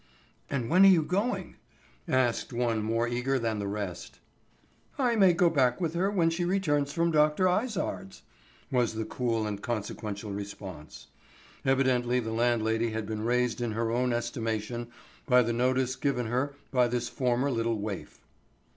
"And when are you going?" asked one more eager than the rest. "I may go back with her when she returns from Dr. Izard's," was the cool and consequential response. Evidently the landlady had been raised in her own estimation by the notice given her by this former little waif.